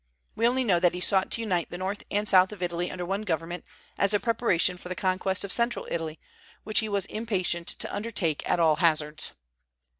We only know that he sought to unite the north and the south of Italy under one government, as a preparation for the conquest of central Italy, which he was impatient to undertake at all hazards.